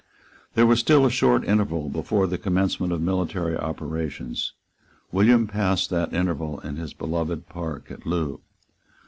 There was still a short interval before the commencement of military operations. William passed that interval in his beloved park at Loo.